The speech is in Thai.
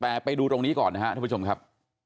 แต่ไปดูตรงนี้ก่อนนะครับท่านผู้ชมครับ